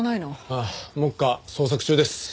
ああ目下捜索中です。